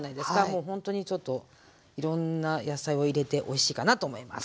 もうほんとにちょっといろんな野菜を入れておいしいかなと思います。